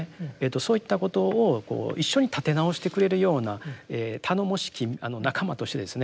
そういったことを一緒に立て直してくれるような頼もしき仲間としてですね